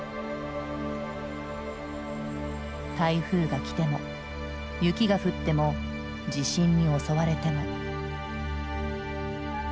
台風がきても雪が降っても地震に襲われても。